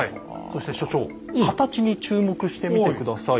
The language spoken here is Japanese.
そして所長形に注目して見て下さい。